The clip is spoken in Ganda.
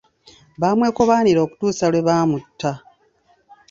Bamwekobaanira okutuusa lwe baamutta.